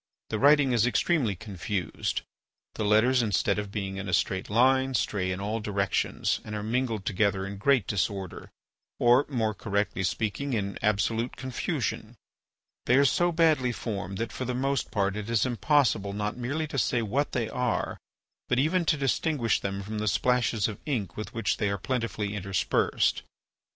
The writing is extremely confused, the letters instead of being in a straight line, stray in all directions and are mingled together in great disorder, or, more correctly speaking, in absolute confusion. They are so badly formed that for the most part it is impossible not merely to say what they are, but even to distinguish them from the splashes of ink with which they are plentifully interspersed.